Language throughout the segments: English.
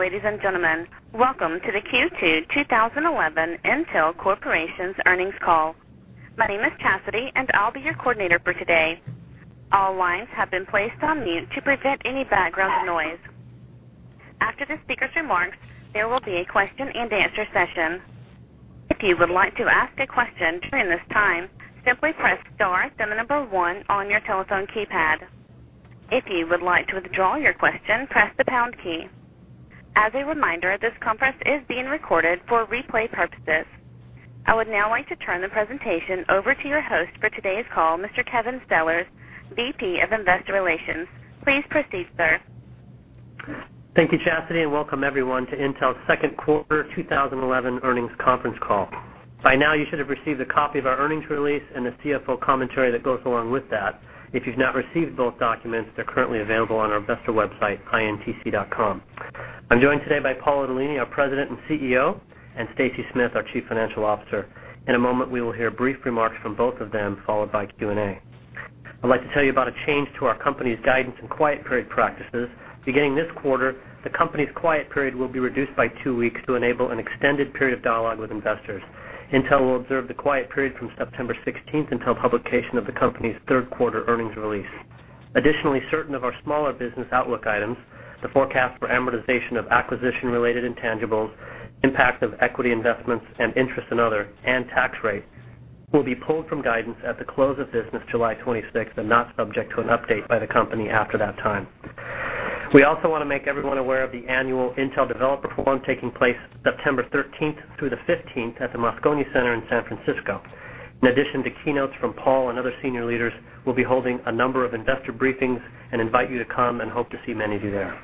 Ladies and gentlemen, welcome to the Q2 2011 Intel Corporation's Earnings Call. My name is Chastity, and I'll be your coordinator for today. All lines have been placed on mute to prevent any background noise. After the speaker's remarks, there will be a question and answer session. If you would like to ask a question during this time, simply press star then the number one on your telephone keypad. If you would like to withdraw your question, press the pound key. As a reminder, this conference is being recorded for replay purposes. I would now like to turn the presentation over to your host for today's call, Mr. Kevin Sellers, Vice President of Investor Relations. Please proceed, sir. Thank you, Chastity, and welcome everyone to Intel's Second Quarter 2011 Earnings Conference Call. By now, you should have received a copy of our earnings release and the CFO commentary that goes along with that. If you've not received both documents, they're currently available on our investor website, intc.com. I'm joined today by Paul Otellini, our President and CEO, and Stacy Smith, our Chief Financial Officer. In a moment, we will hear brief remarks from both of them, followed by Q&A. I'd like to tell you about a change to our company's guidance and quiet period practices. Beginning this quarter, the company's quiet period will be reduced by two weeks to enable an extended period of dialogue with investors. Intel will observe the quiet period from September 16th until publication of the company's third quarter earnings release. Additionally, certain of our smaller business outlook items, the forecast for amortization of acquisition-related intangibles, impact of equity investments and interest in others, and tax rate will be pulled from guidance at the close of business July 26th and not subject to an update by the company after that time. We also want to make everyone aware of the annual Intel Developer Forum taking place September 13th through the 15th at the Moscone Center in San Francisco. In addition to keynotes from Paul and other senior leaders, we'll be holding a number of investor briefings and invite you to come and hope to see many of you there.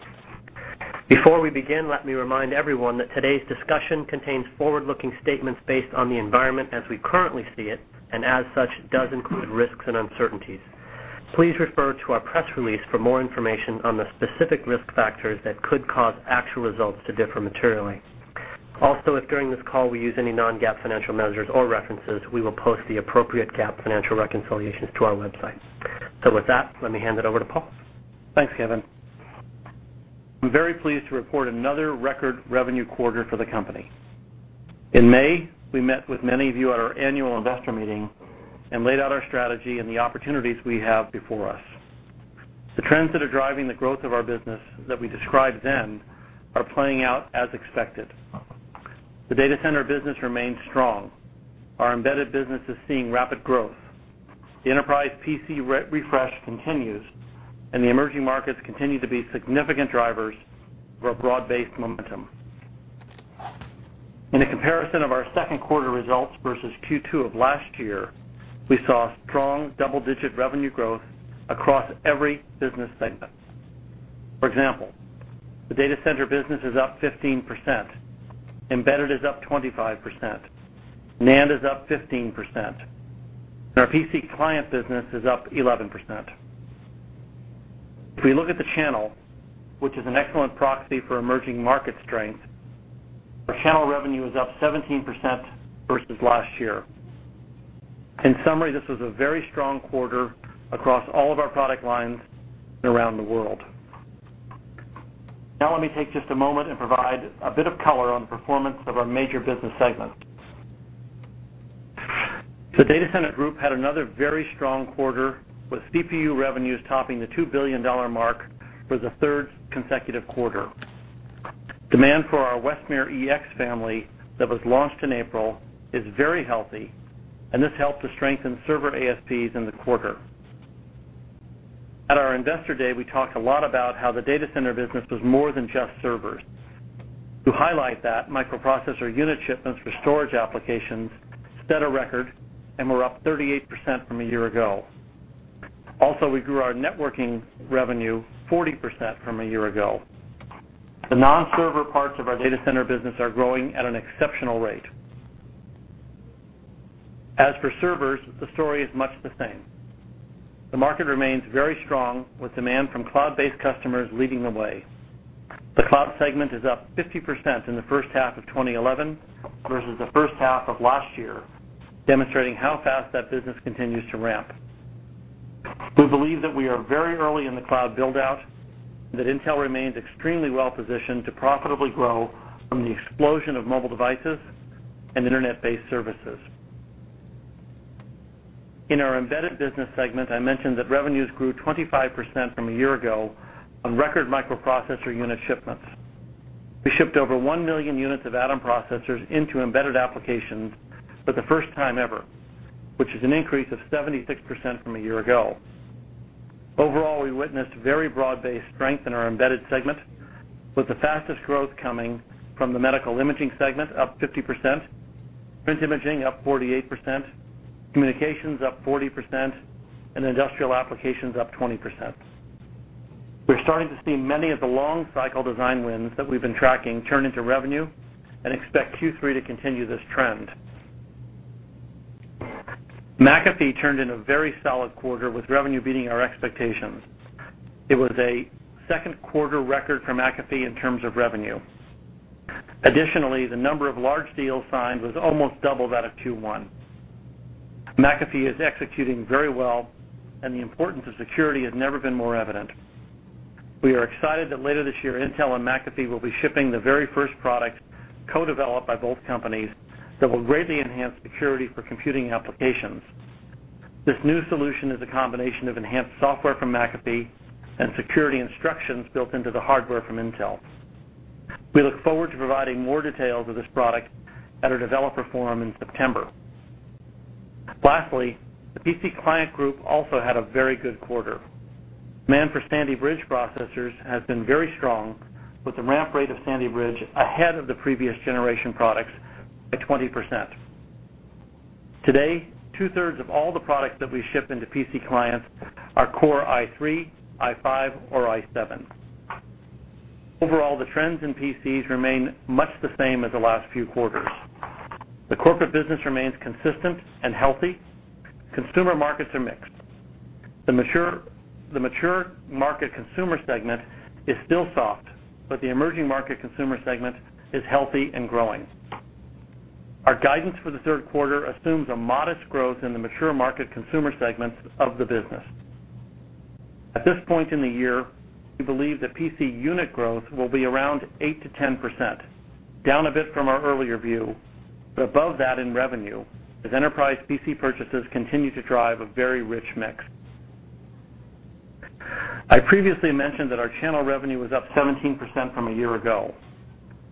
Before we begin, let me remind everyone that today's discussion contains forward-looking statements based on the environment as we currently see it, and as such, does include risks and uncertainties. Please refer to our press release for more information on the specific risk factors that could cause actual results to differ materially. Also, if during this call we use any non-GAAP financial measures or references, we will post the appropriate GAAP financial reconciliations to our websites. With that, let me hand it over to Paul. Thanks, Kevin. I'm very pleased to report another record revenue quarter for the company. In May, we met with many of you at our annual investor meeting and laid out our strategy and the opportunities we have before us. The trends that are driving the growth of our business that we described then are playing out as expected. The data center business remains strong. Our embedded business is seeing rapid growth. The enterprise PC refresh continues, and the emerging markets continue to be significant drivers of our broad-based momentum. In a comparison of our second quarter results versus Q2 of last year, we saw strong double-digit revenue growth across every business segment. For example, the Data Center business is up 15%, Embedded is up 25%, NAND is up 15%, and our PC Client business is up 11%. If we look at the channel, which is an excellent proxy for emerging market strength, our channel revenue is up 17% versus last year. In summary, this was a very strong quarter across all of our product lines and around the world. Now, let me take just a moment and provide a bit of color on the performance of our major business segments. The Data Center Group had another very strong quarter, with CPU revenues topping the $2 billion mark for the third consecutive quarter. Demand for our Westmere-EX family that was launched in April is very healthy, and this helped to strengthen server ASPs in the quarter. At our Investor Day, we talked a lot about how the data center business was more than just servers. To highlight that, microprocessor unit shipments for storage applications set a record and were up 38% from a year ago. Also, we grew our networking revenue 40% from a year ago. The non-server parts of our data center business are growing at an exceptional rate. As for servers, the story is much the same. The market remains very strong, with demand from cloud-based customers leading the way. The cloud segment is up 50% in the first half of 2011 versus the first half of last year, demonstrating how fast that business continues to ramp. We believe that we are very early in the cloud buildout and that Intel remains extremely well-positioned to profitably grow from the explosion of mobile devices and internet-based services. In our embedded business segment, I mentioned that revenues grew 25% from a year ago on record microprocessor unit shipments. We shipped over 1 million units of Atom processors into embedded applications for the first time ever, which is an increase of 76% from a year ago. Overall, we witnessed very broad-based strength in our embedded segment, with the fastest growth coming from the medical imaging segment up 50%, print imaging up 48%, communications up 40%, and industrial applications up 20%. We're starting to see many of the long-cycle design wins that we've been tracking turn into revenue and expect Q3 to continue this trend. McAfee turned in a very solid quarter, with revenue beating our expectations. It was a second quarter record for McAfee in terms of revenue. Additionally, the number of large deals signed was almost double that of Q1. McAfee is executing very well, and the importance of security has never been more evident. We are excited that later this year, Intel and McAfee will be shipping the very first product co-developed by both companies that will greatly enhance security for computing applications. This new solution is a combination of enhanced software from McAfee and security instructions built into the hardware from Intel. We look forward to providing more details of this product at our developer forum in September. Lastly, the PC Client Group also had a very good quarter. Demand for Sandy Bridge processors has been very strong, with the ramp rate of Sandy Bridge ahead of the previous generation products by 20%. Today, 2/3 of all the products that we ship into PC clients are Core i3, i5, or i7. Overall, the trends in PCs remain much the same as the last few quarters. The corporate business remains consistent and healthy. Consumer markets are mixed. The mature market consumer segment is still soft, but the emerging market consumer segment is healthy and growing. Our guidance for the third quarter assumes a modest growth in the mature market consumer segments of the business. At this point in the year, we believe that PC unit growth will be around 8%-10%, down a bit from our earlier view, but above that in revenue as enterprise PC purchases continue to drive a very rich mix. I previously mentioned that our channel revenue was up 17% from a year ago.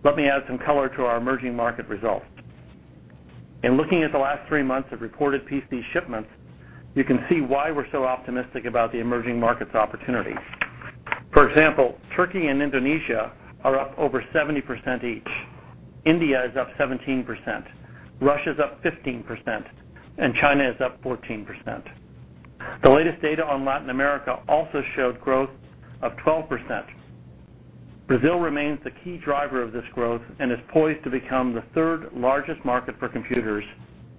Let me add some color to our emerging market results. In looking at the last three months of reported PC shipments, you can see why we're so optimistic about the emerging markets' opportunity. For example, Turkey and Indonesia are up over 70% each. India is up 17%. Russia is up 15%. China is up 14%. The latest data on Latin America also showed growth of 12%. Brazil remains the key driver of this growth and is poised to become the third largest market for computers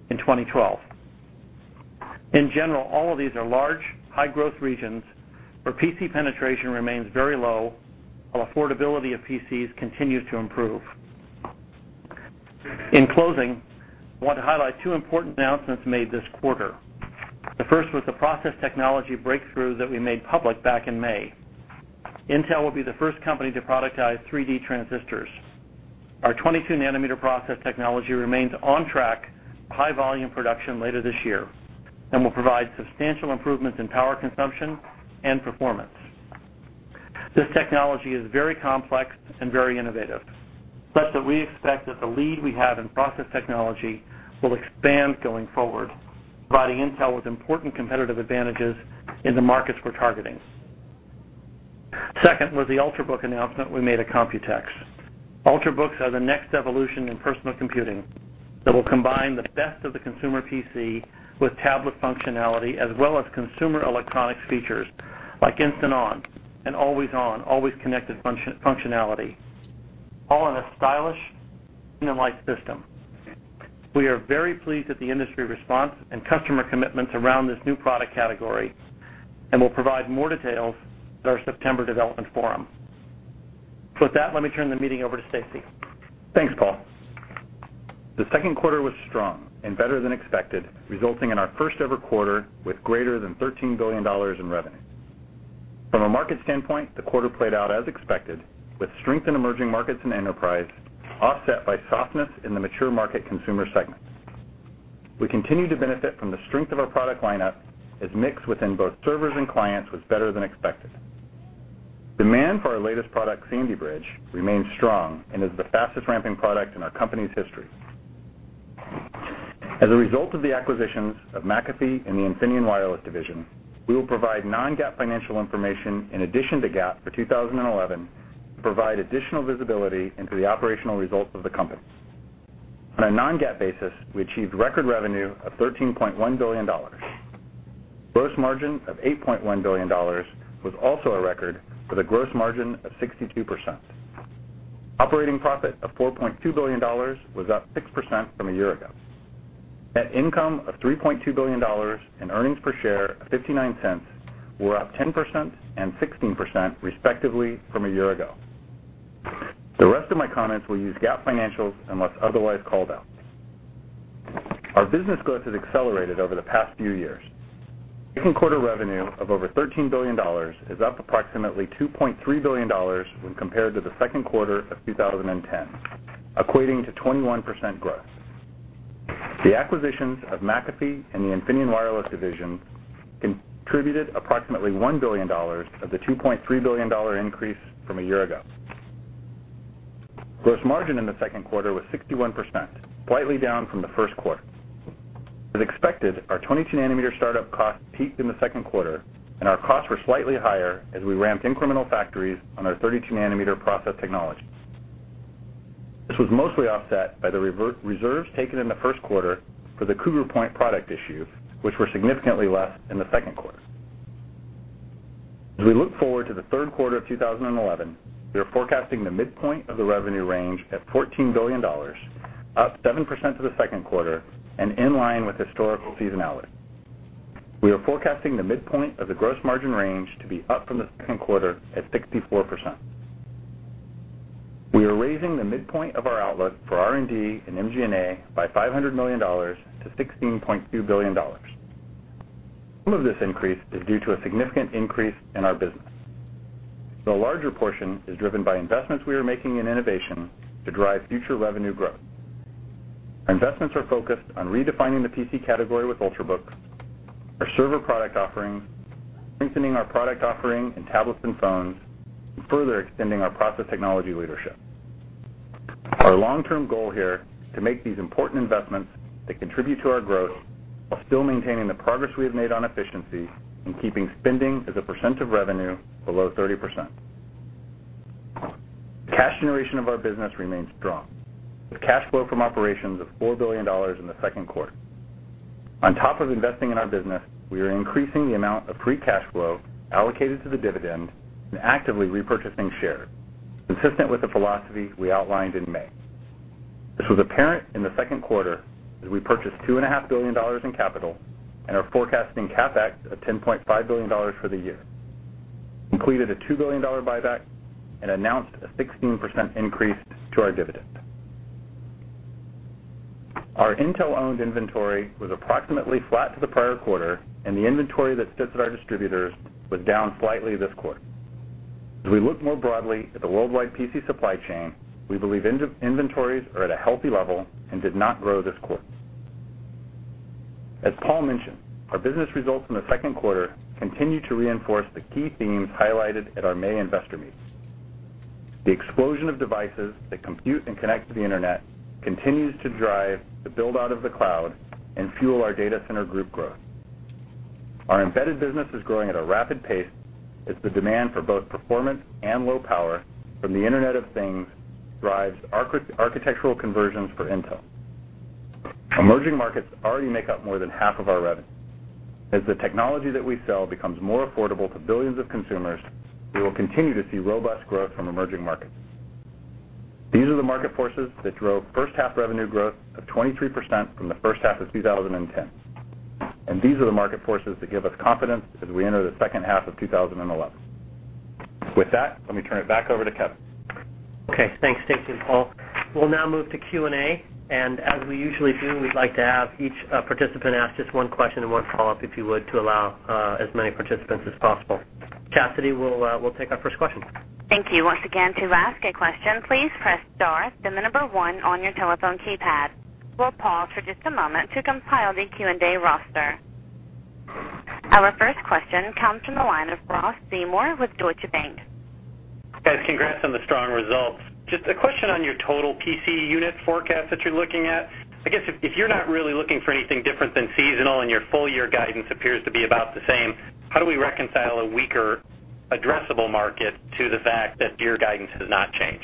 in 2012. In general, all of these are large, high-growth regions where PC penetration remains very low, while affordability of PCs continues to improve. In closing, I want to highlight two important announcements made this quarter. The first was the process technology breakthrough that we made public back in May. Intel will be the first company to productize 3D transistors. Our 22 nm process technology remains on track for high-volume production later this year and will provide substantial improvements in power consumption and performance. This technology is very complex and very innovative, such that we expect that the lead we have in process technology will expand going forward, providing Intel with important competitive advantages in the markets we're targeting. The second was the Ultrabook announcement we made at COMPUTEX. Ultrabooks are the next evolution in personal computing that will combine the best of the consumer PC with tablet functionality, as well as consumer electronics features like Instant On and Always On, always connected functionality, all in a stylish and light system. We are very pleased at the industry response and customer commitments around this new product category and will provide more details at our September development forum. With that, let me turn the meeting over to Stacy. Thanks, Paul. The second quarter was strong and better than expected, resulting in our first-ever quarter with greater than $13 billion in revenue. From a market standpoint, the quarter played out as expected, with strength in emerging markets and enterprise, offset by softness in the mature market consumer segment. We continue to benefit from the strength of our product lineup, as mix within both servers and clients was better than expected. Demand for our latest product, Sandy Bridge, remains strong and is the fastest ramping product in our company's history. As a result of the acquisitions of McAfee and the Infineon Wireless division, we will provide non-GAAP financial information in addition to GAAP for 2011 to provide additional visibility into the operational results of the companies. On a non-GAAP basis, we achieved record revenue of $13.1 billion. Gross margin of $8.1 billion was also a record, with a gross margin of 62%. Operating profit of $4.2 billion was up 6% from a year ago. Net income of $3.2 billion and earnings per share of $0.59 were up 10%- 16% respectively from a year ago. The rest of my comments will use GAAP financials unless otherwise called out. Our business growth has accelerated over the past few years. Each quarter revenue of over $13 billion is up approximately $2.3 billion when compared to the second quarter of 2010, equating to 21% growth. The acquisitions of McAfee and the Infineon Wireless division contributed approximately $1 billion of the $2.3 billion increase from a year ago. Gross margin in the second quarter was 61%, slightly down from the first quarter. As expected, our 22 nm startup costs peaked in the second quarter, and our costs were slightly higher as we ramped incremental factories on our 32 nm process technology. This was mostly offset by the reserves taken in the first quarter for the Cougar Point product issues, which were significantly less in the second quarter. As we look forward to the third quarter of 2011, we are forecasting the midpoint of the revenue range at $14 billion, up 7% to the second quarter and in line with historical seasonality. We are forecasting the midpoint of the gross margin range to be up from the second quarter at 64%. We are raising the midpoint of our outlook for R&D and MG&A by $500 million-$16.2 billion. Some of this increase is due to a significant increase in our business. The larger portion is driven by investments we are making in innovation to drive future revenue growth. Our investments are focused on redefining the PC category with Ultrabooks, our server product offerings, strengthening our product offering in tablets and phones, and further extending our process technology leadership. Our long-term goal here is to make these important investments that contribute to our growth while still maintaining the progress we have made on efficiency and keeping spending as a percent of revenue below 30%. Cash generation of our business remains strong, with cash flow from operations of $4 billion in the second quarter. On top of investing in our business, we are increasing the amount of free cash flow allocated to the dividend and actively repurchasing shares, consistent with the philosophy we outlined in May. This was apparent in the second quarter as we purchased $2.5 billion in capital and are forecasting a CapEx of $10.5 billion for the year. We completed a $2 billion buyback and announced a 16% increase to our dividend. Our Intel-owned inventory was approximately flat to the prior quarter, and the inventory that sits at our distributors was down slightly this quarter. As we look more broadly at the worldwide PC supply chain, we believe inventories are at a healthy level and did not grow this quarter. As Paul mentioned, our business results in the second quarter continue to reinforce the key themes highlighted at our May investor meetings. The explosion of devices that compute and connect to the internet continues to drive the buildout of the cloud and fuel our Data Center Group growth. Our embedded business is growing at a rapid pace as the demand for both performance and low power from the Internet of Things drives architectural conversions for Intel. Emerging markets already make up more than half of our revenue. As the technology that we sell becomes more affordable to billions of consumers, we will continue to see robust growth from emerging markets. These are the market forces that drove first-half revenue growth of 23% from the first half of 2010, and these are the market forces that give us confidence as we enter the second half of 2011. With that, let me turn it back over to Kevin. OK, thanks, Stacy and Paul. We'll now move to Q&A, and as we usually do, we'd like to have each participant ask just one question and one follow-up, if you would, to allow as many participants as possible. Chastity, we'll take our first question. Thank you. Once again, to ask a question, please press star then the number one on your telephone keypad. We'll pause for just a moment to compile the Q&A roster. Our first question comes from the line of Ross Seymore with Deutsche Bank. Thanks. Congrats on the strong results. Just a question on your total PC unit forecast that you're looking at. I guess if you're not really looking for anything different than seasonal and your full-year guidance appears to be about the same, how do we reconcile a weaker addressable market to the fact that your guidance has not changed?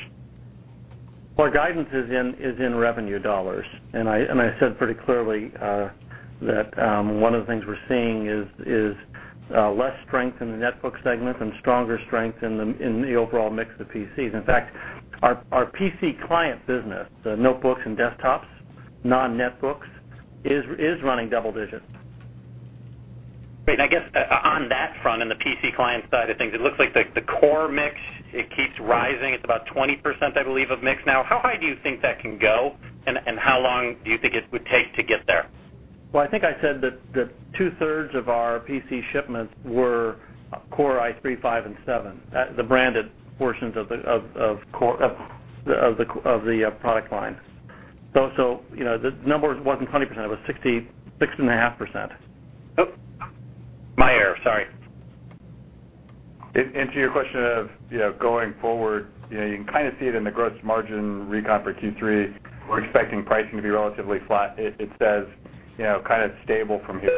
Our guidance is in revenue dollars, and I said pretty clearly that one of the things we're seeing is less strength in the netbook segment and stronger strength in the overall mix of the PCs. In fact, our PC client business, the notebooks and desktops, non-netbooks, is running double digits. Great. I guess on that front, in the PC client side of things, it looks like the Core mix keeps rising. It's about 20% of mix now. How high do you think that can go, and how long do you think it would take to get there? I think I said that 2/3 of our PC shipments were Core i3, i5, and i7, the branded portions of the product line. The number wasn't 20%. It was 66.5%. Oh, my error. Sorry. To answer your question of going forward, you can kind of see it in the gross margin recount for Q3. We're expecting pricing to be relatively flat. It stays kind of stable from here.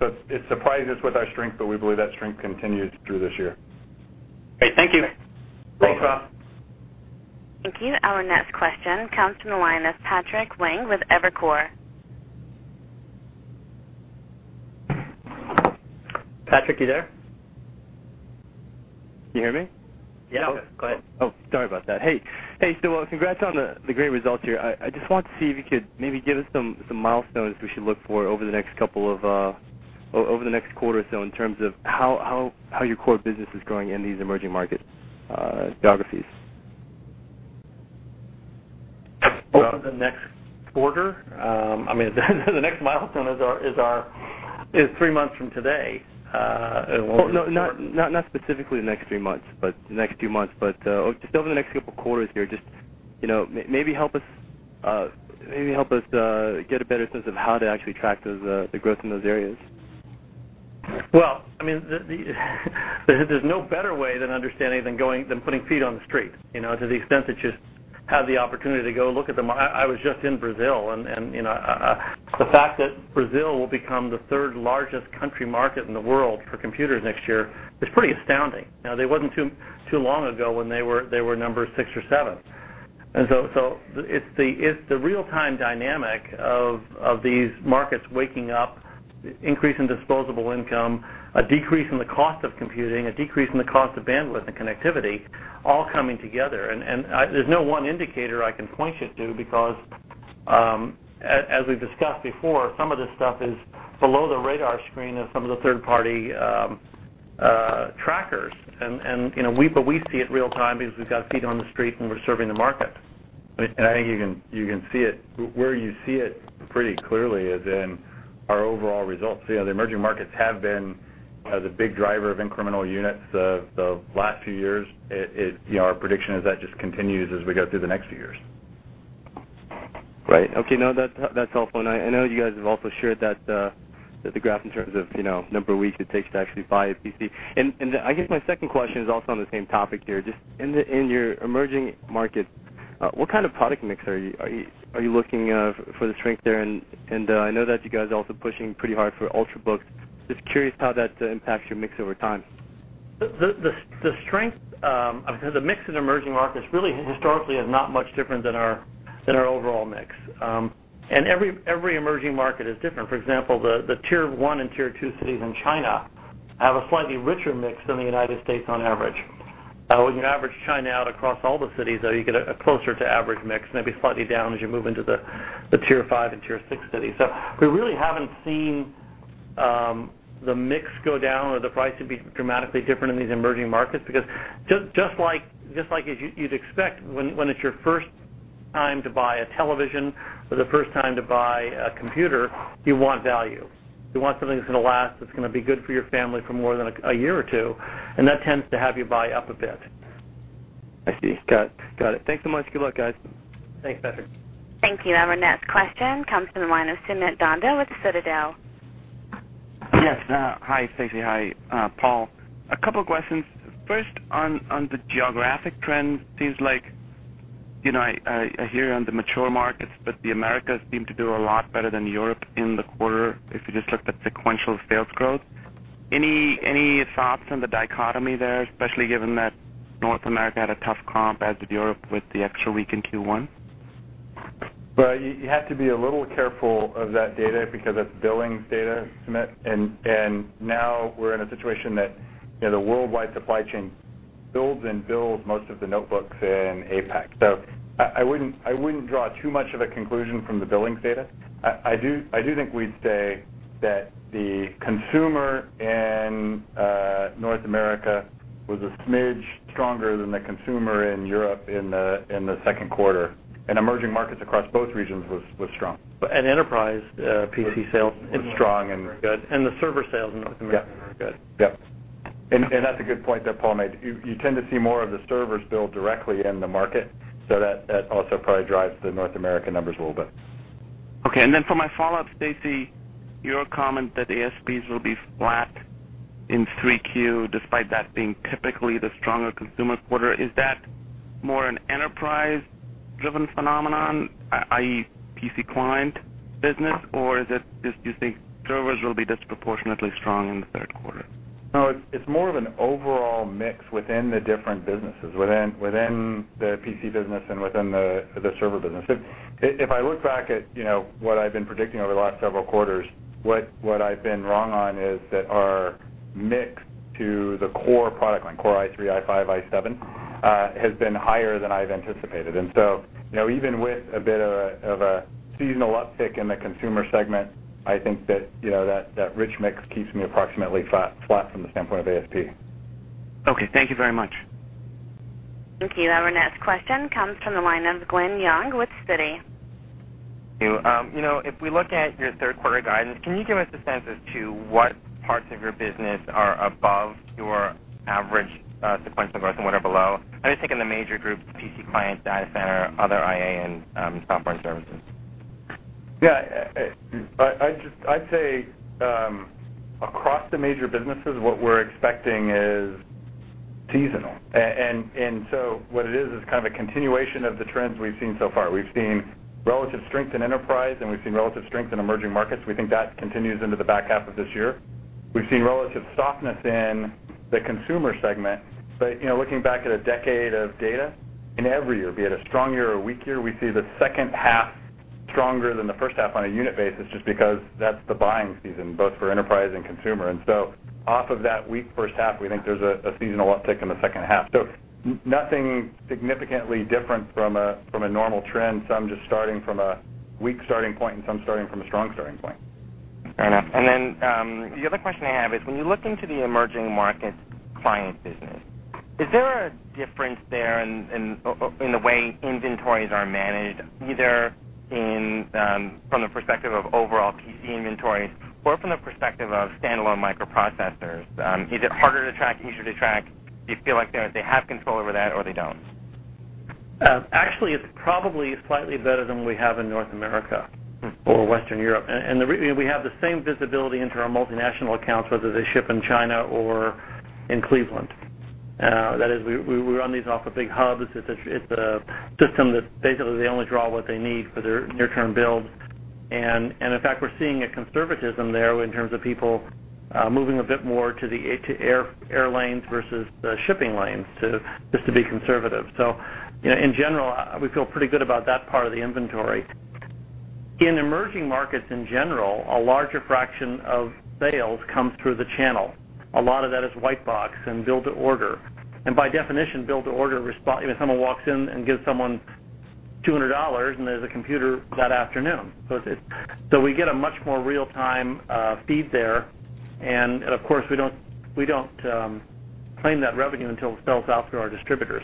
It surprises us with our strength, but we believe that strength continues through this year. Great. Thank you. Thanks, Bob. Thank you. Our next question comes from the line of Patrick Wang with Evercore. Patrick, you there? Can you hear me? Yeah, go ahead. Sorry about that. Hey, hey, so, congrats on the great results here. I just want to see if you could maybe give us some milestones we should look for over the next quarter or so in terms of how your core business is growing in these emerging market geographies. Over the next quarter? I mean, the next milestone is three months from today. Not specifically the next three months, but the next few months. Just over the next couple of quarters here, maybe help us get a better sense of how to actually track the growth in those areas. There is no better way than understanding than putting feet on the street, to the extent that you have the opportunity to go look at the market. I was just in Brazil, and the fact that Brazil will become the third largest country market in the world for computers next year is pretty astounding. It wasn't too long ago when they were number six or seven. It is the real-time dynamic of these markets waking up, the increase in disposable income, a decrease in the cost of computing, a decrease in the cost of bandwidth and connectivity, all coming together. There is no one indicator I can point you to because, as we've discussed before, some of this stuff is below the radar screen of some of the third-party trackers. We see it real-time because we've got feet on the street and we're serving the market. I think you can see it pretty clearly, as in our overall results. The emerging markets have been the big driver of incremental units the last few years. Our prediction is that just continues as we go through the next few years. Right. OK, that's helpful. I know you guys have also shared that the graph in terms of the number of weeks it takes to actually buy a PC. I guess my second question is also on the same topic here. In your emerging markets, what kind of product mix are you looking for the strength there? I know that you guys are also pushing pretty hard for Ultrabooks. Just curious how that impacts your mix over time. The strength of the mix in emerging markets really historically is not much different than our overall mix. Every emerging market is different. For example, the tier one and tier two cities in China have a slightly richer mix than the United States on average. When you average China out across all the cities, you get a closer to average mix, maybe slightly down as you move into the tier five and tier six cities. We really haven't seen the mix go down or the pricing be dramatically different in these emerging markets because just like you'd expect, when it's your first time to buy a television or the first time to buy a computer, you want value. You want something that's going to last, that's going to be good for your family for more than a year or two. That tends to have you buy up a bit. I see. Got it. Thanks so much. Good luck, guys. Thanks, Patrick. Thank you. Our next question comes from the line of Sumit Dhanda with Citadel. Yes. Hi, Stacy. Hi, Paul. A couple of questions. First, on the geographic trend, it seems like I hear on the mature markets, but the Americas seem to do a lot better than Europe in the quarter if you just looked at sequential sales growth. Any thoughts on the dichotomy there, especially given that North America had a tough comp as did Europe with the extra week in Q1? You have to be a little careful of that data because that's billing data. Now we're in a situation that the worldwide supply chain builds and bills most of the notebooks in APAC. I wouldn't draw too much of a conclusion from the billings data. I do think we'd say that the consumer in North America was a smidge stronger than the consumer in Europe in the second quarter, and emerging markets across both regions were strong. Enterprise PC sales were strong and good, and the server sales in North America were good. Yes. That's a good point that Paul made. You tend to see more of the servers billed directly in the market, which also probably drives the North American numbers a little bit. OK. For my follow-up, Stacy, your comment that ASPs will be flat in 3Q despite that being typically the stronger consumer quarter, is that more an enterprise-driven phenomenon, i.e., PC client business? Is it just you think servers will be disproportionately strong in the third quarter? No, it's more of an overall mix within the different businesses, within the PC business and within the server business. If I look back at what I've been predicting over the last several quarters, what I've been wrong on is that our mix to the core product line, Core i3, i5, i7, has been higher than I've anticipated. Even with a bit of a seasonal uptick in the consumer segment, I think that that rich mix keeps me approximately flat from the standpoint of ASP. OK, thank you very much. Thank you. Our next question comes from the line of Glen Yeung with Citi. Thank you. If we look at your third-quarter guidance, can you give us a sense as to what parts of your business are above your average sequential growth and what are below? I'm just thinking the major groups, PC clients, Data Center, other IA, and Software and Services. Yeah, I'd say across the major businesses, what we're expecting is seasonal. What it is is kind of a continuation of the trends we've seen so far. We've seen relative strength in enterprise, and we've seen relative strength in emerging markets. We think that continues into the back half of this year. We've seen relative softness in the consumer segment. Looking back at a decade of data, in every year, be it a strong year or a weak year, we see the second half stronger than the first half on a unit basis just because that's the buying season, both for enterprise and consumer. Off of that weak first half, we think there's a seasonal uptick in the second half. Nothing significantly different from a normal trend, some just starting from a weak starting point and some starting from a strong starting point. Fair enough. The other question I have is, when you look into the emerging market client business, is there a difference there in the way inventories are managed, either from the perspective of overall PC inventories or from the perspective of standalone microprocessors? Is it harder to track, easier to track? Do you feel like they have control over that or they don't? Actually, it's probably slightly better than we have in North America or Western Europe. We have the same visibility into our multinational accounts, whether they ship in China or in Cleveland. That is, we run these off of big hubs. It's a system that's basically they only draw what they need for their near-term build. In fact, we're seeing a conservatism there in terms of people moving a bit more to air lanes versus the shipping lanes, just to be conservative. In general, we feel pretty good about that part of the inventory. In emerging markets in general, a larger fraction of sales comes through the channel. A lot of that is white box and build-to-order. By definition, build-to-order response, if someone walks in and gives someone $200 and there's a computer that afternoon. We get a much more real-time feed there. Of course, we don't claim that revenue until it sells out through our distributors.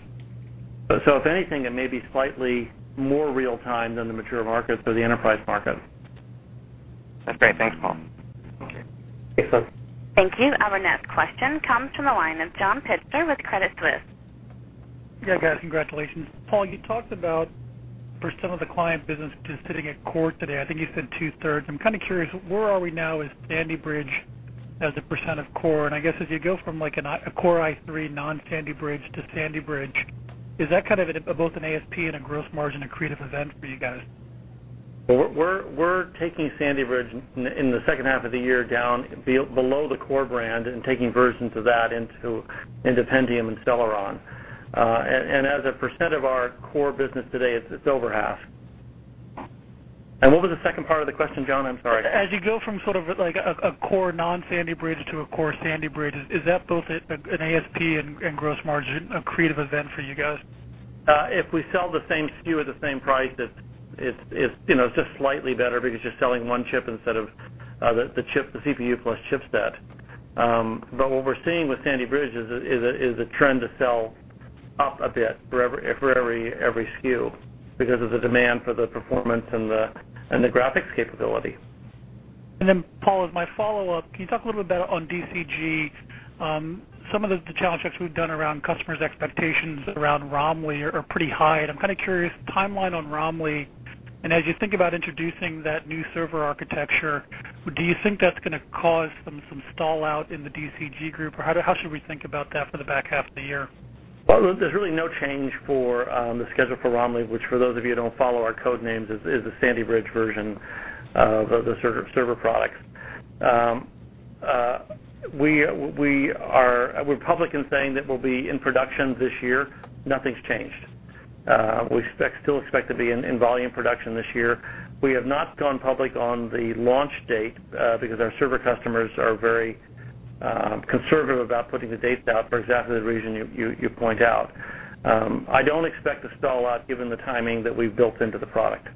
If anything, it may be slightly more real-time than the mature markets or the enterprise market. That's great. Thanks, Paul. Excellent. Thank you. Our next question comes from the line of John Pitzer with Credit Suisse. Yeah, guys, congratulations. Paul, you talked about the percent of the client business considering a Core today. I think you said 2/3. I'm kind of curious, where are we now as Sandy Bridge as a percent of Core? I guess as you go from a Core i3 non-Sandy Bridge to Sandy Bridge, is that kind of both an ASP and a gross margin accretive event for you guys? We're taking Sandy Bridge in the second half of the year down below the Core brand and taking versions of that into Pentium and Celeron. As a percent of our Core business today, it's over half. What was the second part of the question, John? I'm sorry. As you go from sort of a Core non-Sandy Bridge to a Core Sandy Bridge, is that both an ASP and gross margin accretive event for you guys? If we sell the same SKU at the same price, it's just slightly better because you're selling one chip instead of the CPU plus chipset. What we're seeing with Sandy Bridge is the trend to sell up a bit for every SKU because of the demand for the performance and the graphics capability. Paul, as my follow-up, can you talk a little bit better on Data Center Group? Some of the challenge that we've done around customers' expectations around Granite Rapids are pretty high. I'm kind of curious, timeline on Granite Rapids. As you think about introducing that new server architecture, do you think that's going to cause some stall out in the Data Center Group? How should we think about that for the back half of the year? There is really no change for the schedule for Sandy Bridge, which for those of you who do not follow our code names, is the Sandy Bridge version of the server products. We are public in saying that we will be in production this year. Nothing has changed. We still expect to be in volume production this year. We have not gone public on the launch date because our server customers are very conservative about putting the dates out for exactly the reason you point out. I do not expect a stall out given the timing that we have built into the product.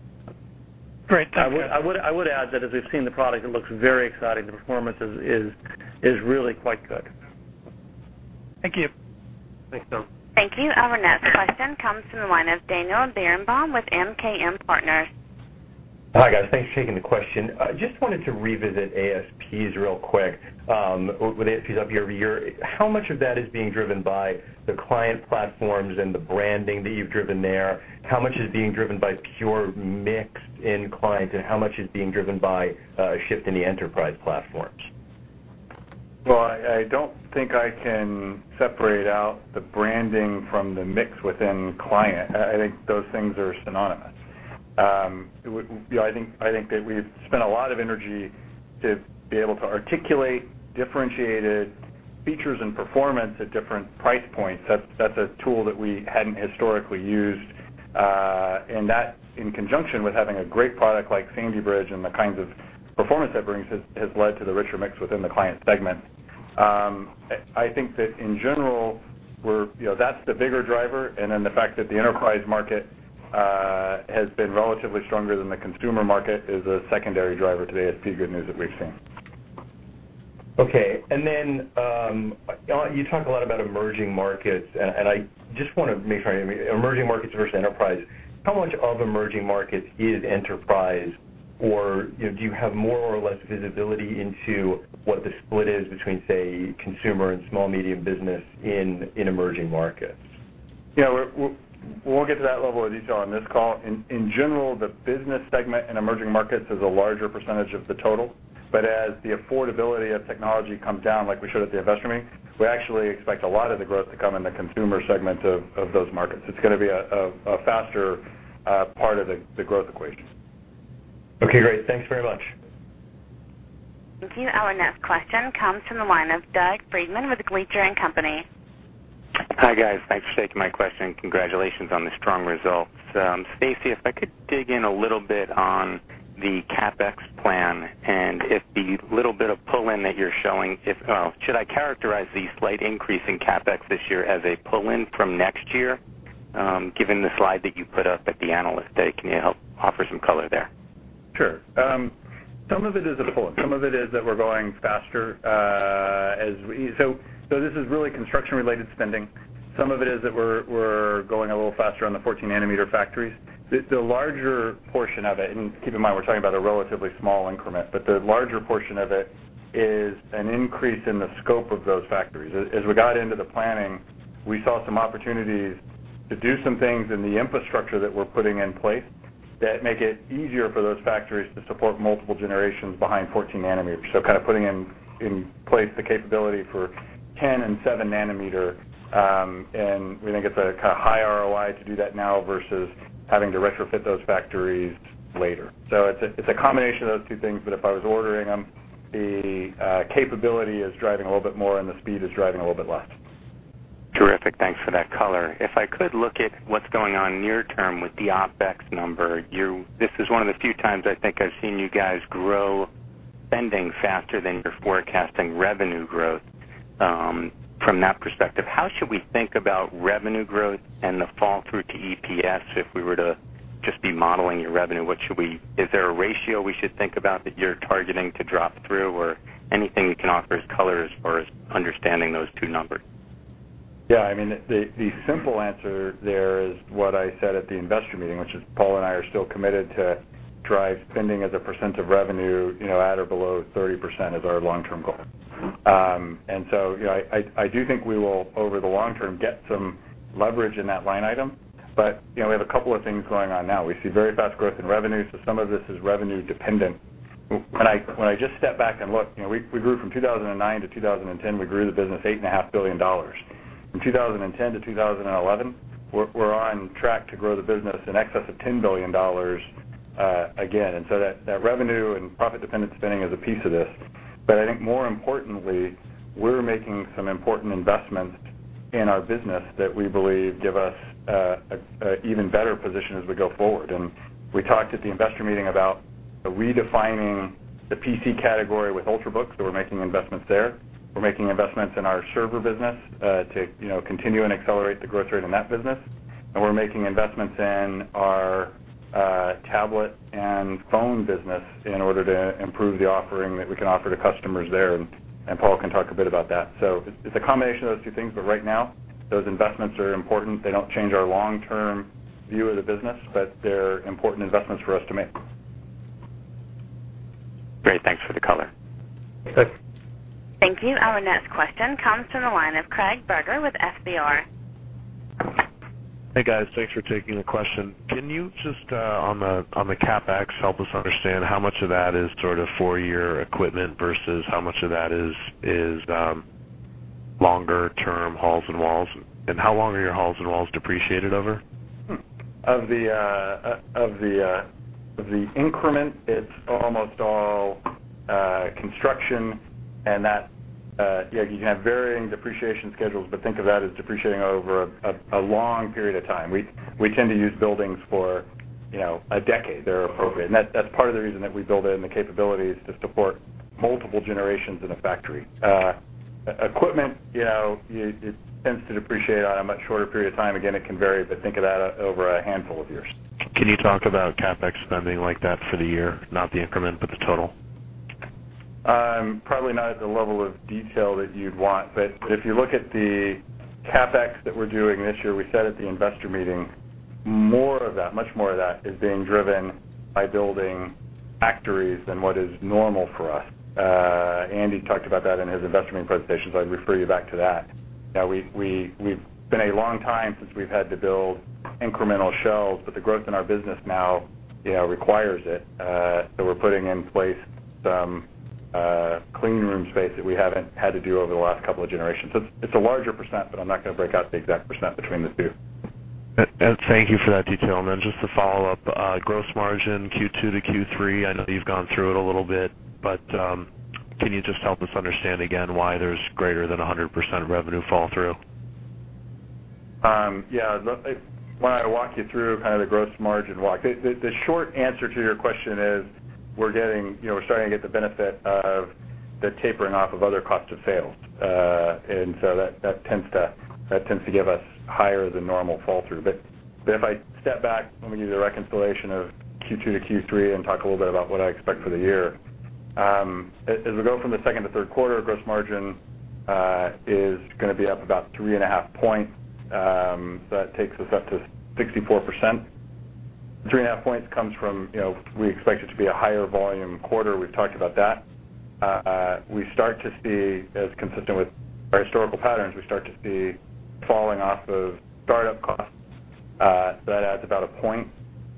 Great. I would add that as we've seen the product, it looks very exciting. The performance is really quite good. Thank you. Thanks, Bill. Thank you. Our next question comes from the line of Daniel Berenbaum with MKM Partners. Hi, guys. Thanks for taking the question. I just wanted to revisit ASPs real quick. With ASPs up year-over-year, how much of that is being driven by the client platforms and the branding that you've driven there? How much is being driven by pure mix in clients? How much is being driven by a shift in the enterprise platforms? I don't think I can separate out the branding from the mix within client. I think those things are synonymous. I think that we've spent a lot of energy to be able to articulate differentiated features and performance at different price points. That's a tool that we hadn't historically used. That, in conjunction with having a great product like Sandy Bridge and the kinds of performance that brings, has led to the richer mix within the client segment. I think that in general, that's the bigger driver. The fact that the enterprise market has been relatively stronger than the consumer market is a secondary driver to the ASP, good news that we've seen. OK. You talk a lot about emerging markets. I just want to make sure I mean emerging markets versus enterprise. How much of emerging markets is enterprise? Do you have more or less visibility into what the split is between, say, consumer and small-medium business in emerging markets? Yeah, we won't get to that level of detail on this call. In general, the business segment in emerging markets is a larger percentage of the total. As the affordability of technology comes down, like we showed at the investor meeting, we actually expect a lot of the growth to come in the consumer segment of those markets. It's going to be a faster part of the growth equation. OK, great. Thanks very much. Thank you. Our next question comes from the line of Doug Freedman with Gleacher & Company. Hi, guys. Thanks for taking my question. Congratulations on the strong results. Stacy, if I could dig in a little bit on the CapEx plan and if the little bit of pull-in that you're showing, should I characterize the slight increase in CapEx this year as a pull-in from next year, given the slide that you put up at the analyst day? Can you help offer some color there? Sure. Some of it is a pull-in. Some of it is that we're going faster. This is really construction-related spending. Some of it is that we're going a little faster on the 14 nm factories. The larger portion of it, and keep in mind we're talking about a relatively small increment, is an increase in the scope of those factories. As we got into the planning, we saw some opportunities to do some things in the infrastructure that we're putting in place that make it easier for those factories to support multiple generations behind 14 nm. Kind of putting in place the capability for 10 nm and 7 nm. We think it's a kind of high ROI to do that now versus having to retrofit those factories later. It's a combination of those two things. If I was ordering them, the capability is driving a little bit more and the speed is driving a little bit less. Terrific. Thanks for that color. If I could look at what's going on near-term with the OpEx number, this is one of the few times I think I've seen you guys grow spending faster than you're forecasting revenue growth. From that perspective, how should we think about revenue growth and the fall through to EPS if we were to just be modeling your revenue? Is there a ratio we should think about that you're targeting to drop through? Or anything you can offer as color as far as understanding those two numbers? Yeah, I mean, the simple answer there is what I said at the investor meeting, which is Paul and I are still committed to drive spending as a percent of revenue at or below 30% as our long-term goal. I do think we will, over the long term, get some leverage in that line item. We have a couple of things going on now. We see very fast growth in revenue, so some of this is revenue dependent. When I just step back and look, we grew from 2009-2010. We grew the business $8.5 billion. From 2010-2011, we're on track to grow the business in excess of $10 billion again. That revenue and profit-dependent spending is a piece of this. I think more importantly, we're making some important investments in our business that we believe give us an even better position as we go forward. We talked at the investor meeting about redefining the PC category with Ultrabooks, so we're making investments there. We're making investments in our server business to continue and accelerate the growth rate in that business. We're making investments in our tablet and phone business in order to improve the offering that we can offer to customers there. Paul can talk a bit about that. It's a combination of those two things. Right now, those investments are important. They don't change our long-term view of the business, but they're important investments for us to make. Great, thanks for the color. Thanks. Thank you. Our next question comes from the line of Craig Berger with FBR. Hey, guys. Thanks for taking the question. Can you just, on the CapEx, help us understand how much of that is sort of for your equipment versus how much of that is longer-term halls and walls? How long are your halls and walls depreciated over? Of the increment, it's almost all construction. You can have varying depreciation schedules, but think of that as depreciating over a long period of time. We tend to use buildings for a decade. That's part of the reason that we build in the capabilities to support multiple generations in a factory. Equipment tends to depreciate on a much shorter period of time. It can vary, but think of that over a handful of years. Can you talk about CapEx spending like that for the year, not the increment, but the total? Probably not at the level of detail that you'd want. If you look at the CapEx that we're doing this year, we said at the investor meeting, much more of that is being driven by building factories than what is normal for us. Andy talked about that in his investor meeting presentation. I'd refer you back to that. It's been a long time since we've had to build incremental shells, but the growth in our business now requires it. We're putting in place some clean room space that we haven't had to do over the last couple of generations. It's a larger percent, but I'm not going to break out the exact percent between the two. Thank you for that detail. Just to follow up, gross margin Q2 to Q3, I know you've gone through it a little bit, but can you just help us understand again why there's greater than 100% revenue fall through? Yeah, when I walk you through kind of the gross margin walk, the short answer to your question is we're starting to get the benefit of the tapering off of other costs of sales. That tends to give us higher than normal fall through. If I step back, let me give you the reconciliation of Q2 to Q3 and talk a little bit about what I expect for the year. As we go from the second to third quarter, gross margin is going to be up about 3.5 points. That takes us up to 64%. 3.5 points comes from we expect it to be a higher volume quarter. We've talked about that. We start to see, as consistent with our historical patterns, we start to see falling off of startup costs. That adds about a point.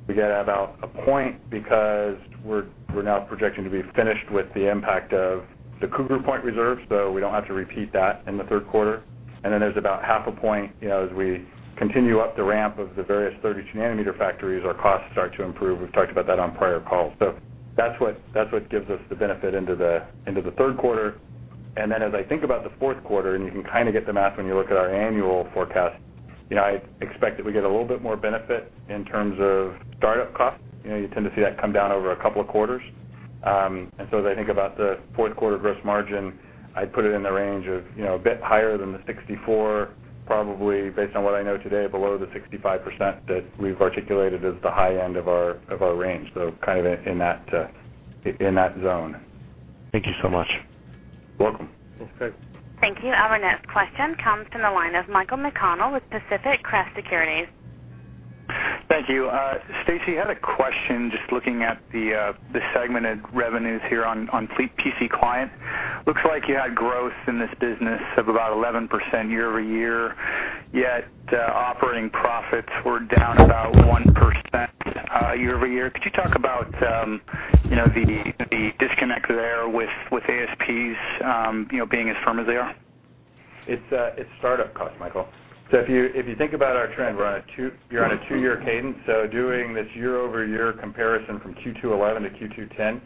We get about a point because we're now projecting to be finished with the impact of the Cougar Point reserves. We don't have to repeat that in the third quarter. There's about half a point as we continue up the ramp of the various 32-nanometer factories, our costs start to improve. We've talked about that on prior calls. That's what gives us the benefit into the third quarter. As I think about the fourth quarter, and you can kind of get the math when you look at our annual forecast, I expect that we get a little bit more benefit in terms of startup costs. You tend to see that come down over a couple of quarters. As I think about the fourth quarter gross margin, I'd put it in the range of a bit higher than the 64%, probably based on what I know today, below the 65% that we've articulated as the high end of our range, kind of in that zone. Thank you so much. Welcome. Thanks, Craig. Thank you. Our next question comes from the line of Michael McConnell with Pacific Crest Securities. Thank you. Stacy, I had a question just looking at the segmented revenues here on fleet PC clients. Looks like you had growth in this business of about 11% year-over-year, yet operating profits were down about 1% year-over-year. Could you talk about the disconnect there with ASPs being as firm as they are? It's startup costs, Michael. If you think about our trend, you're on a two-year cadence. Doing this year-over-year comparison from Q2 2011 to Q2 2010,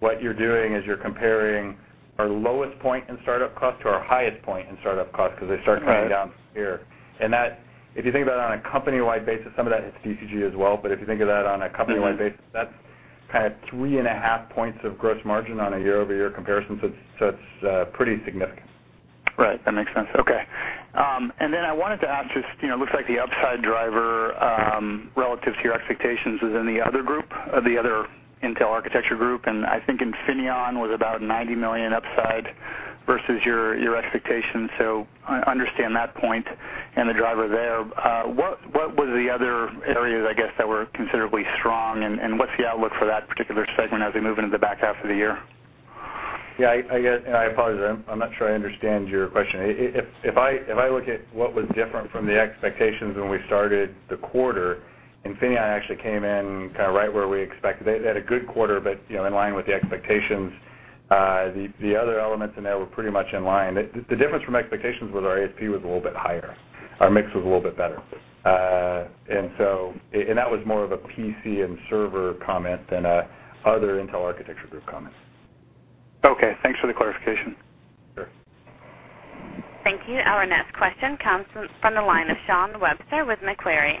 what you're doing is you're comparing our lowest point in startup cost to our highest point in startup cost because they start coming down here. If you think about it on a company-wide basis, some of that hits DCG as well. If you think of that on a company-wide basis, that's kind of 3.5 points of gross margin on a year-over-year comparison. It's pretty significant. Right. That makes sense. OK. I wanted to ask, it looks like the upside driver relative to your expectations is in the other group, the other Intel architecture group. I think Infineon was about $90 million upside versus your expectations. I understand that point and the driver there. What were the other areas that were considerably strong? What's the outlook for that particular segment as we move into the back half of the year? Yeah, I apologize. I'm not sure I understand your question. If I look at what was different from the expectations when we started the quarter, Infineon actually came in kind of right where we expected. They had a good quarter, but in line with the expectations, the other elements in there were pretty much in line. The difference from expectations was our ASP was a little bit higher. Our mix was a little bit better. That was more of a PC and server comment than other Intel architecture group comments. OK. Thanks for the clarification. Sure. Thank you. Our next question comes from the line of Shawn Webster with Macquarie.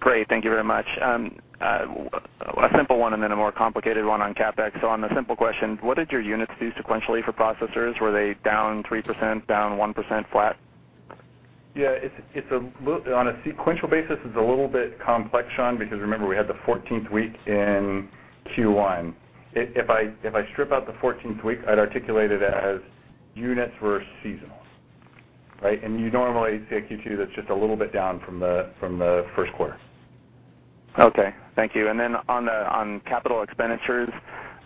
Great. Thank you very much. A simple one and then a more complicated one on CapEx. On the simple question, what did your units do sequentially for processors? Were they down 3%, down 1%, flat? Yeah, on a sequential basis, it's a little bit complex, Sean, because remember, we had the 14th week in Q1. If I strip out the 14th week, I'd articulate it as units versus seasonals. You normally see a Q2 that's just a little bit down from the first quarter. Thank you. On capital expenditures,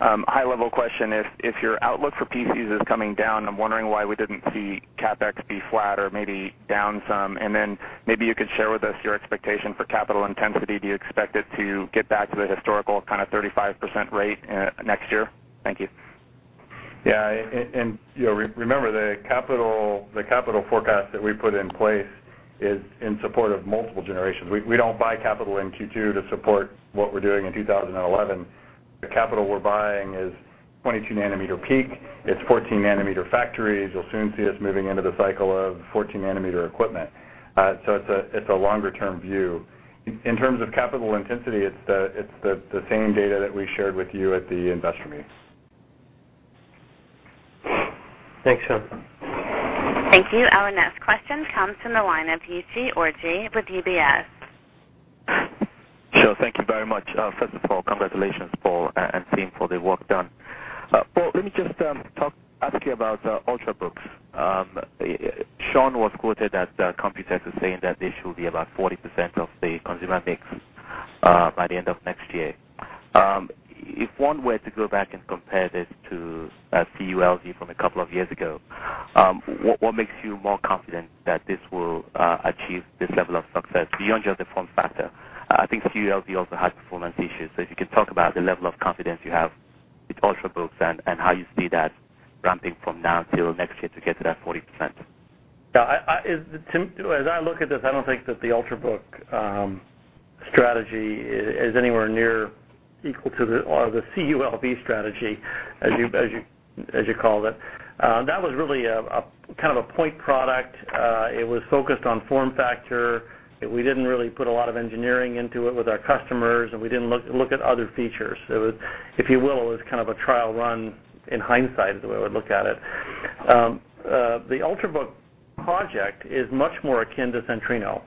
high-level question, if your outlook for PCs is coming down, I'm wondering why we didn't see CapEx be flat or maybe down some. Maybe you could share with us your expectation for capital intensity. Do you expect it to get back to the historical kind of 35% rate next year? Thank you. Yeah, remember, the capital forecast that we put in place is in support of multiple generations. We don't buy capital in Q2 to support what we're doing in 2011. The capital we're buying is 22 nm process technology. It's 14 nm process technology factories. You'll soon see us moving into the cycle of 14 nm process technology equipment. It's a longer-term view. In terms of capital intensity, it's the same data that we shared with you at the investor meeting. Thanks, Sean. Thank you. Our next question comes from the line of Uche Orji with UBS. Stuart, thank you very much. First of all, congratulations Paul and team for the work done. Let me just talk quickly about Ultrabooks. Sean was quoted as the computer, saying that this will be about 40% of the consumer mix by the end of next year. If one were to go back and compare this to CULV from a couple of years ago, what makes you more confident that this will achieve this level of success? Beyond just the form factor, I think CULV also has performance issues. If you could talk about the level of confidence you have with Ultrabooks and how you see that ramping from now till next year to get to that 40%. Yeah, as I look at this, I don't think that the Ultrabook strategy is anywhere near equal to the CULG strategy, as you call it. That was really kind of a point product. It was focused on form factor. We didn't really put a lot of engineering into it with our customers, and we didn't look at other features. If you will, it was kind of a trial run in hindsight, is the way I would look at it. The Ultrabook project is much more akin to Centrino.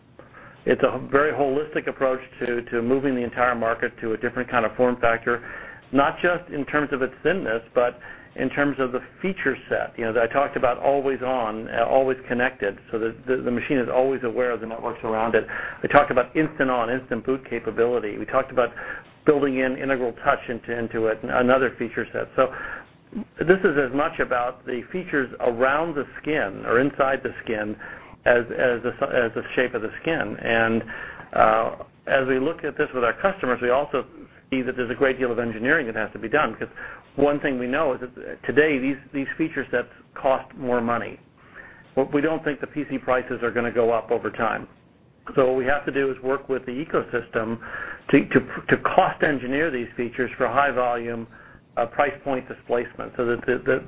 It's a very holistic approach to moving the entire market to a different kind of form factor, not just in terms of its thinness, but in terms of the feature set that I talked about, always on, always connected. The machine is always aware of the networks around it. I talked about instant on, instant boot capability. We talked about building in integral touch into it and another feature set. This is as much about the features around the skin or inside the skin as the shape of the skin. As we look at this with our customers, we also see that there's a great deal of engineering that has to be done because one thing we know is that today these feature sets cost more money. We don't think the PC prices are going to go up over time. What we have to do is work with the ecosystem to cost engineer these features for high volume price point displacement. That's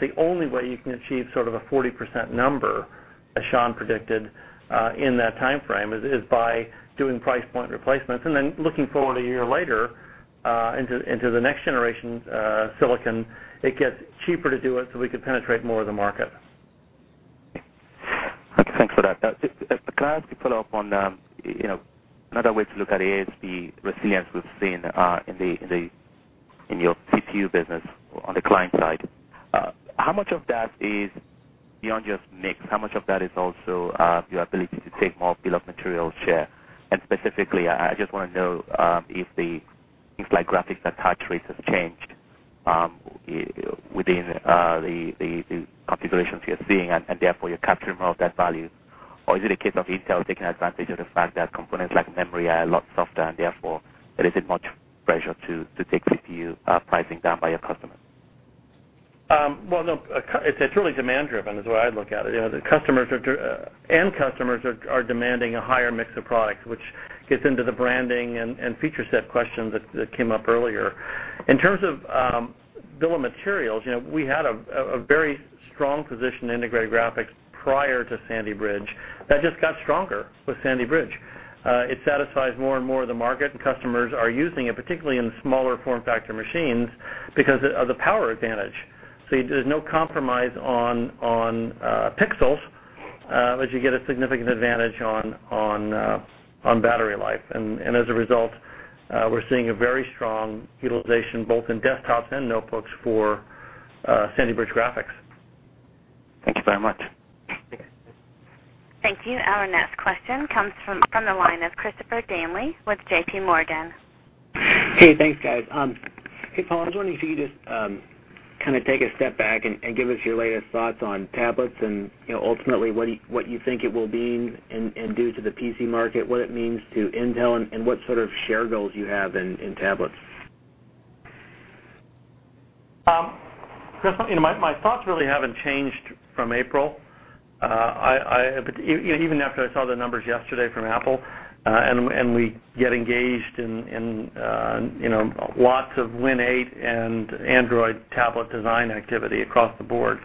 the only way you can achieve sort of a 40% number, as Sean predicted, in that time frame, is by doing price point replacements. Looking forward a year later into the next generation silicon, it gets cheaper to do it so we could penetrate more of the market. OK, thanks for that. Now, just as the clients could follow up on another way to look at ASP resilience we've seen in your CCU business on the client side, how much of that is beyond just mix? How much of that is also your ability to take more bill of materials share? Specifically, I just want to know if things like graphics and touch trace have changed within the configurations you're seeing and therefore you're capturing more of that value? Is it a case of Intel taking advantage of the fact that components like memory are a lot softer and therefore there isn't much pressure to take CPU pricing down by your customers? It's really demand-driven is the way I look at it. Customers are demanding a higher mix of products, which gets into the branding and feature set questions that came up earlier. In terms of bill of materials, we had a very strong position in integrated graphics prior to Sandy Bridge. That just got stronger with Sandy Bridge. It satisfies more and more of the market, and customers are using it, particularly in the smaller form factor machines, because of the power advantage. There's no compromise on pixels, but you get a significant advantage on battery life. As a result, we're seeing a very strong utilization both in desktops and notebooks for Sandy Bridge graphics. Thank you very much. Thank you. Thank you. Our next question comes from the line of Christopher Danely with JPMorgan. Thanks, Paul, I was wondering if you could just kind of take a step back and give us your latest thoughts on tablets and ultimately what you think it will mean and do to the PC market, what it means to Intel, and what sort of share goals you have in tablets. Chris, my thoughts really haven't changed from April, even after I saw the numbers yesterday from Apple. We get engaged in lots of Windows 8 and Android tablet design activity across the board.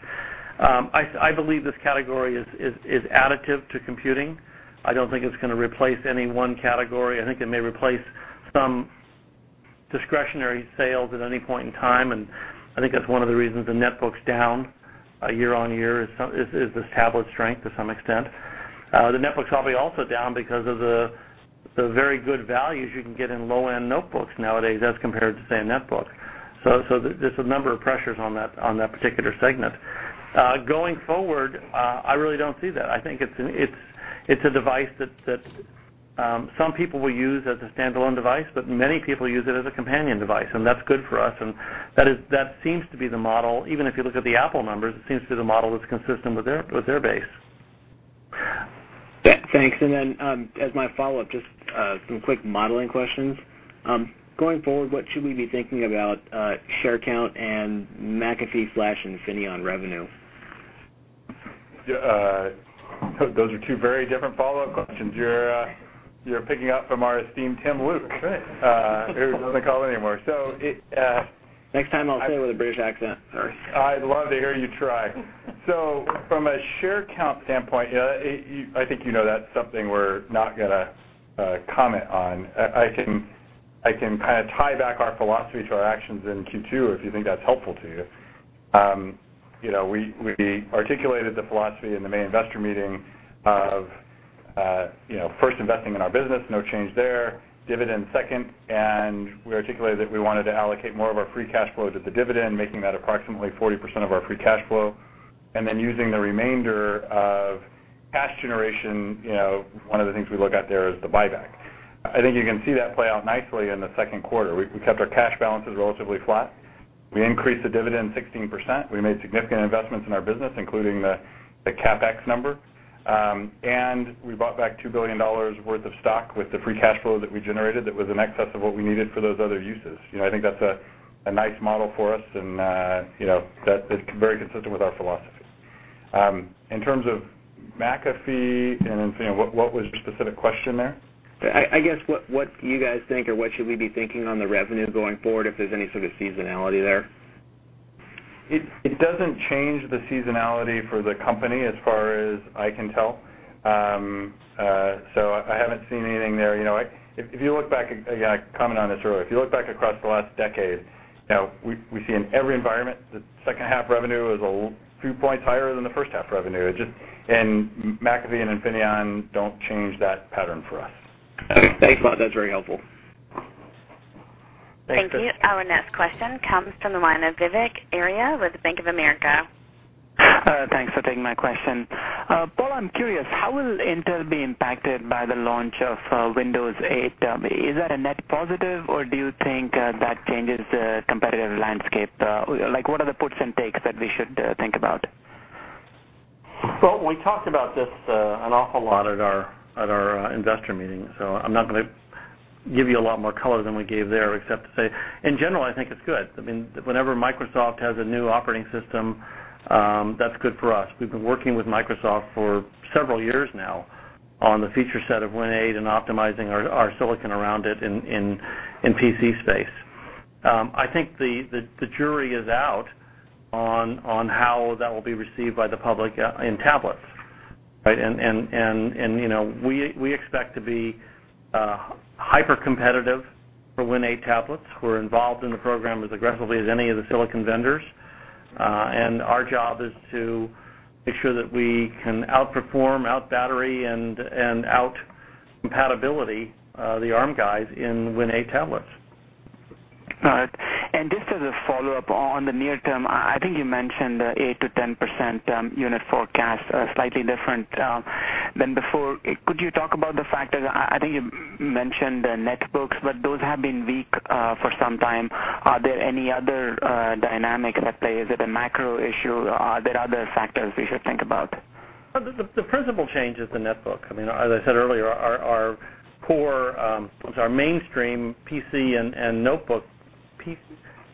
I believe this category is additive to computing. I don't think it's going to replace any one category. I think it may replace some discretionary sales at any point in time. I think that's one of the reasons the netbooks are down year on year, this tablet strength to some extent. The netbooks are probably also down because of the very good values you can get in low-end notebooks nowadays as compared to, say, a netbook. There are a number of pressures on that particular segment. Going forward, I really don't see that. I think it's a device that some people will use as a standalone device, but many people use it as a companion device. That's good for us, and that seems to be the model. Even if you look at the Apple numbers, it seems to be the model that's consistent with their base. Thanks. As my follow-up, just some quick modeling questions. Going forward, what should we be thinking about share count and McAfee Flash and Infineon revenue? Those are two very different follow-up questions you're picking up from our esteemed Tim Luke. That's right. Who doesn't call anymore. Next time, I'll say it with a British accent. I'd love to hear you try. From a share count standpoint, I think you know that's something we're not going to comment on. I can kind of tie back our philosophy to our actions in Q2 if you think that's helpful to you. We articulated the philosophy in the main investor meeting of first investing in our business, no change there, dividend second. We articulated that we wanted to allocate more of our free cash flow to the dividend, making that approximately 40% of our free cash flow. Using the remainder of cash generation, one of the things we look at there is the buyback. I think you can see that play out nicely in the second quarter. We kept our cash balances relatively flat. We increased the dividend 16%. We made significant investments in our business, including the CapEx number. We bought back $2 billion worth of stock with the free cash flow that we generated that was in excess of what we needed for those other uses. I think that's a nice model for us, and it's very consistent with our philosophy. In terms of McAfee and Infineon, what was the specific question there? I guess what you guys think or what should we be thinking on the revenue going forward if there's any sort of seasonality there? It doesn't change the seasonality for the company as far as I can tell. I haven't seen anything there. If you look back, I commented on this earlier. If you look back across the last decade, we see in every environment the second half revenue is a few points higher than the first half revenue. McAfee and Infineon don't change that pattern for us. OK, thanks, Stacy. That's very helpful. Thank you. Our next question comes from the line of Vivek Arya with Bank of America. Thanks for taking my question. Paul, I'm curious, how will Intel be impacted by the launch of Windows 8? Is that a net positive, or do you think that changes the competitive landscape? What are the puts and takes that we should think about? I talked about this an awful lot at our investor meeting. I'm not going to give you a lot more color than we gave there, except to say, in general, I think it's good. I mean, whenever Microsoft has a new operating system, that's good for us. We've been working with Microsoft for several years now on the feature set of Win8 and optimizing our silicon around it in PC space. I think the jury is out on how that will be received by the public in tablets. We expect to be hyper-competitive for Win8 tablets. We're involved in the program as aggressively as any of the silicon vendors. Our job is to make sure that we can outperform, outbattery, and outcompatibility the ARM guys in Win8 tablets. Just as a follow-up on the near term, I think you mentioned the 8%-10% unit forecast, slightly different than before. Could you talk about the factor? I think you mentioned netbooks, but those have been weak for some time. Are there any other dynamics at play? Is it a macro issue? Are there other factors we should think about? The principal change is the netbook. As I said earlier, our core, our mainstream PC and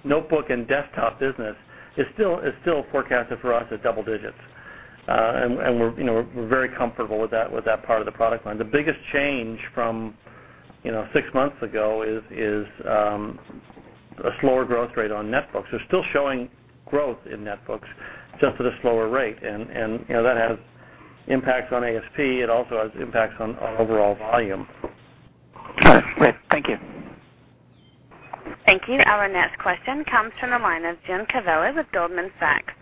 notebook and desktop business is still forecasted for us at double digits. We're very comfortable with that part of the product line. The biggest change from six months ago is a slower growth rate on netbooks. We're still showing growth in netbooks, just at a slower rate. That has impacts on ASP. It also has impacts on overall volume. All right, great. Thank you. Thank you. Our next question comes from the line of James Covello with Goldman Sachs.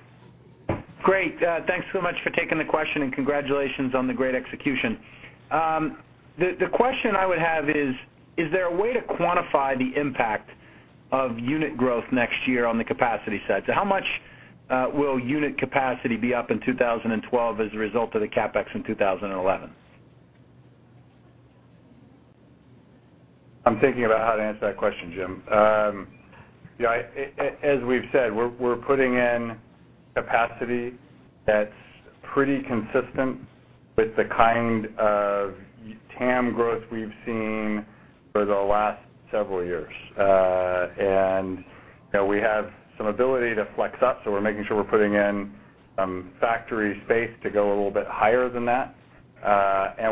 Great. Thanks so much for taking the question. Congratulations on the great execution. The question I would have is, is there a way to quantify the impact of unit growth next year on the capacity sets? How much will unit capacity be up in 2012 as a result of the CapEx in 2011? I'm thinking about how to answer that question, Jim. As we've said, we're putting in capacity that's pretty consistent with the kind of TAM growth we've seen for the last several years. We have some ability to flex up. We're making sure we're putting in some factory space to go a little bit higher than that.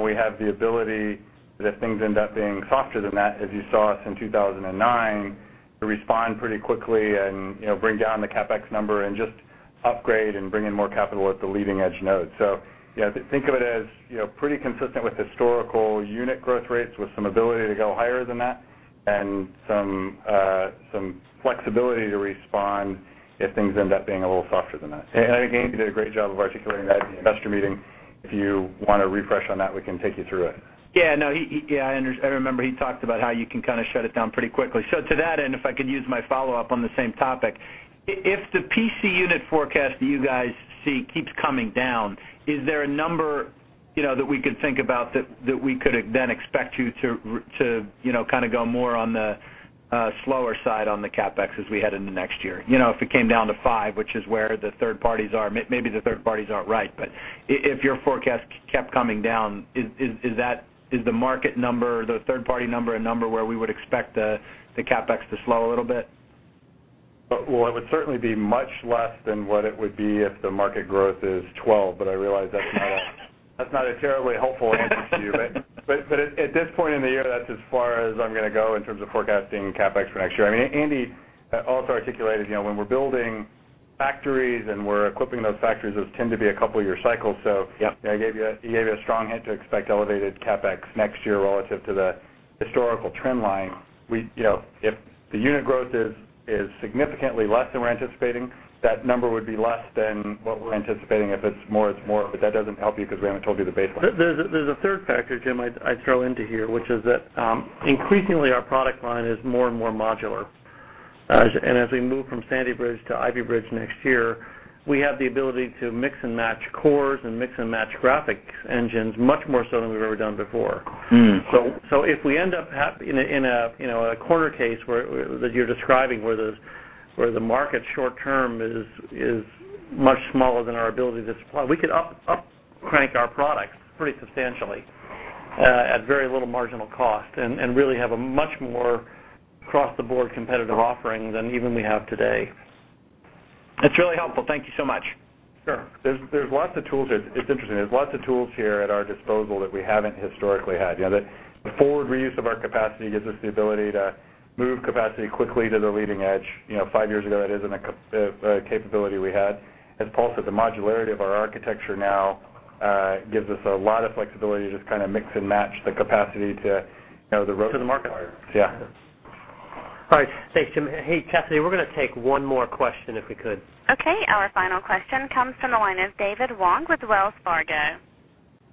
We have the ability that if things end up being softer than that, as you saw us in 2009, to respond pretty quickly and bring down the CapEx number and just upgrade and bring in more capital at the leading edge nodes. Think of it as pretty consistent with historical unit growth rates with some ability to go higher than that and some flexibility to respond if things end up being a little softer than that. I think Andy did a great job of articulating that at the investor meeting. If you want a refresh on that, we can take you through it. I remember he talked about how you can kind of shut it down pretty quickly. To that end, if I could use my follow-up on the same topic, if the PC unit forecast that you guys see keeps coming down, is there a number that we could think about that we could then expect you to kind of go more on the slower side on the CapEx as we head into next year? If it came down to 5, which is where the third parties are, maybe the third parties aren't right. If your forecast kept coming down, is the market number, the third-party number, a number where we would expect the CapEx to slow a little bit? It would certainly be much less than what it would be if the market growth is 12%. I realize that's not a terribly hopeful answer to you. At this point in the year, that's as far as I'm going to go in terms of forecasting CapEx for next year. Andy also articulated when we're building factories and we're equipping those factories, those tend to be a couple-year cycle. He gave you a strong hint to expect elevated CapEx next year relative to the historical trend line. If the unit growth is significantly less than we're anticipating, that number would be less than what we're anticipating. If it's more, it's more. That doesn't help you because we haven't told you the baseline. There's a third factor, Jim, I'd throw into here, which is that increasingly, our product line is more and more modular. As we move from Sandy Bridge to Ivy Bridge next year, we have the ability to mix and match cores and mix and match graphics engines much more so than we've ever done before. If we end up in a corner case that you're describing where the market short term is much smaller than our ability to supply, we could upcrank our products pretty substantially at very little marginal cost and really have a much more across-the-board competitive offering than even we have today. That's really helpful. Thank you so much. Sure. There are lots of tools here. It's interesting. There are lots of tools here at our disposal that we haven't historically had. The forward reuse of our capacity gives us the ability to move capacity quickly to the leading edge. Five years ago, that isn't a capability we had. As Paul said, the modularity of our architecture now gives us a lot of flexibility to just kind of mix and match the capacity to the market. All right. Thanks, Jim. Hey, Chastity, we're going to take one more question if we could. OK. Our final question comes from the line of David Wong with Wells Fargo.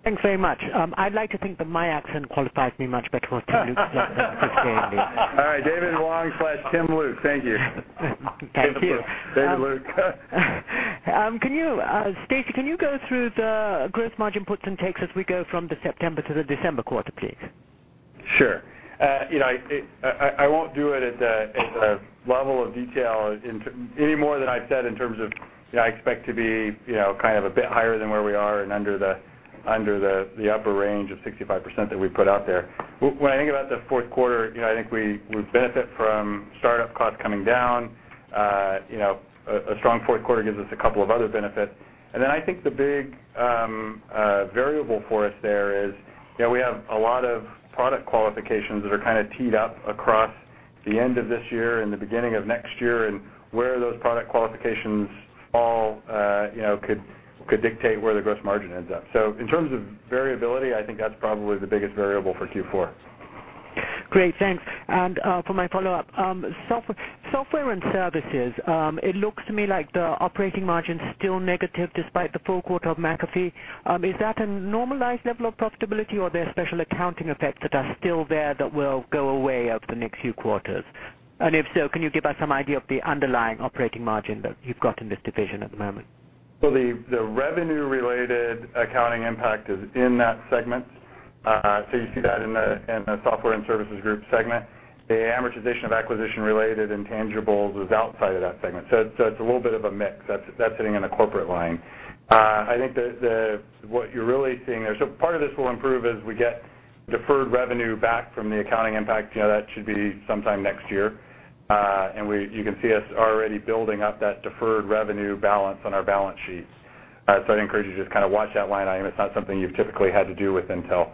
Thanks very much. I'd like to think that my accent qualifies me much better with Tim Luke. That's what's getting me. All right, David Wong slash Tim Luke. Thank you. Thank you. David Luke. Stacy, can you go through the gross margin puts and takes as we go from the September to the December quarter, please? Sure. I won't do it at the level of detail any more than I've said in terms of I expect to be kind of a bit higher than where we are and under the upper range of 65% that we put out there. When I think about the fourth quarter, I think we would benefit from startup costs coming down. A strong fourth quarter gives us a couple of other benefits. I think the big variable for us there is we have a lot of product qualifications that are kind of teed up across the end of this year and the beginning of next year. Where those product qualifications fall could dictate where the gross margin ends up. In terms of variability, I think that's probably the biggest variable for Q4. Great, thanks. For my follow-up, software and services, it looks to me like the operating margin is still negative despite the full quarter of McAfee. Is that a normalized level of profitability, or are there special accounting effects that are still there that will go away over the next few quarters? If so, can you give us some idea of the underlying operating margin that you've got in this division at the moment? The revenue-related accounting impact is in that segment. You see that in the software and services group segment. The amortization of acquisition-related intangibles is outside of that segment. It's a little bit of a mix. That's sitting in a corporate line. I think what you're really seeing there, part of this will improve as we get deferred revenue back from the accounting impact. That should be sometime next year. You can see us already building up that deferred revenue balance on our balance sheets. I'd encourage you to just kind of watch that line item. It's not something you've typically had to do with Intel.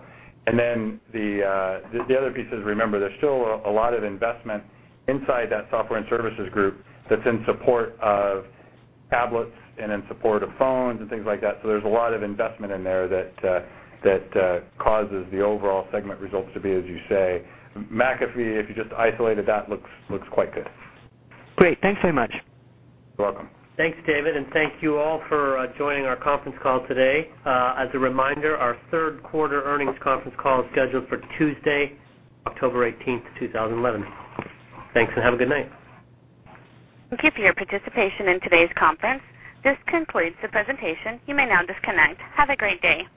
The other piece is, remember, there's still a lot of investment inside that software and services group that's in support of tablets and in support of phones and things like that. There's a lot of investment in there that causes the overall segment results to be, as you say, McAfee, if you just isolated that, looks quite good. Great, thanks very much. You're welcome Thanks, David. Thank you all for joining our conference call today. As a reminder, our third quarter earnings conference call is scheduled for Tuesday, October 18, 2011. Thanks, and have a good night. Thank you for your participation in today's conference. This concludes the presentation. You may now disconnect. Have a great day.